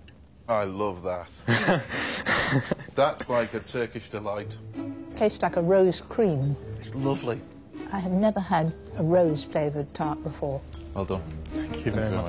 はい。